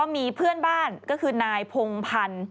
ที่เพื่อนบ้านให้ก็คือนายโพงพัน